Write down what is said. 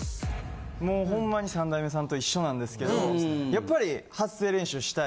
もうホンマに三代目さんと一緒なんですけどやっぱり発声練習したい。